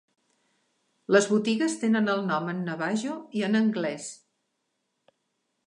Les botigues tenen el nom en navajo i en anglès.